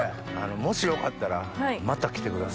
もしよかったらまた来てください。